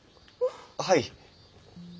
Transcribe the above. はい。